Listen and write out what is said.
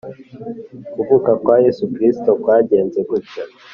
Kuvuka kwa Yesu Kristo kwagenze gutya.